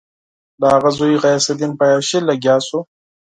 د هغه زوی غیاث الدین په عیاشي لګیا شو.